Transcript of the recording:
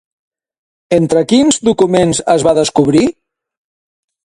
Entre quins documents es va descobrir?